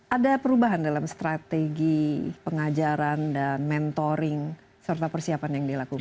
ada perubahan dalam strategi pengajaran dan mentoring serta persiapan yang dilakukan